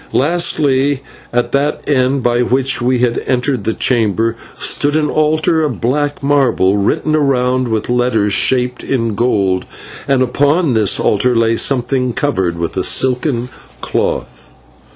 Lastly, at that end by which we had entered the chamber, stood an altar of black marble written around with letters shaped in gold, and upon this altar lay something covered with a silken cloth.